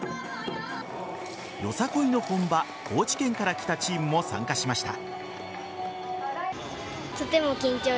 よさこいの本場・高知県から来たチームも参加しました。